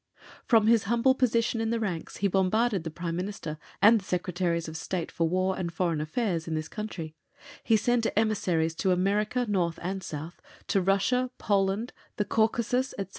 From his humble position in the ranks he bombarded the Prime Minister, and the Secretaries of State for War and Foreign Affairs in this country; he sent emissaries to America, North and South, to Russia, Poland, the Caucasus, etc.